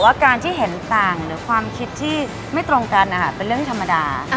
หรือความคิดที่ไม่ตรงกันเป็นเรื่องธรรมดา